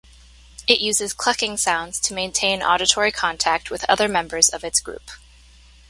It uses clucking sounds to maintain auditory contact with other members of its group.